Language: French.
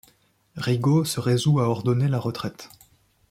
Rigaud se résout à ordonner la retraite.